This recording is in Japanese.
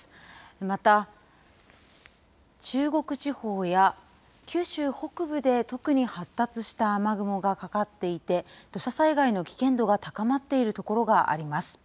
また、中国地方や九州北部で特に発達した雨雲がかかっていて、土砂災害の危険度が高まっている所があります。